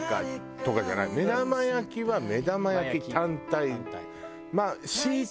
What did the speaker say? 目玉焼きは目玉焼き単体。